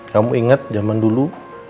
kamu ingat zaman dulu